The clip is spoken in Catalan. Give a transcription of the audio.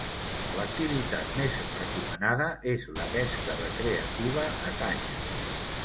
L'activitat més recomanada és la pesca recreativa a canya.